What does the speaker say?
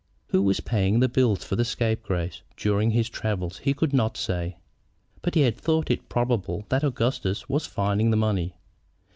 Who was paying the bills for the scapegrace during his travels he could not say, but he thought it probable that Augustus was finding the money.